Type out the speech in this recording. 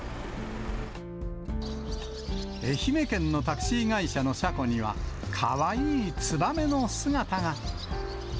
愛媛県のタクシー会社の車庫には、かわいいツバメの姿が。